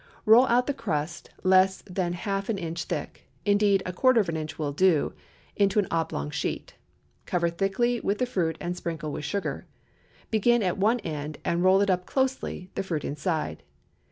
Roll out the crust less than half an inch thick—indeed, a quarter of an inch will do—into an oblong sheet. Cover thickly with the fruit and sprinkle with sugar. Begin at one end and roll it up closely, the fruit inside.